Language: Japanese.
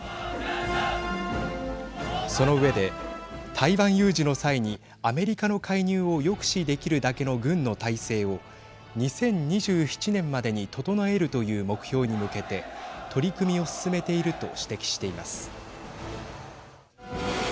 その上で台湾有事の際にアメリカの介入を抑止できるだけの軍の態勢を２０２７年までに整えるという目標に向けて取り組みを進めていると指摘しています。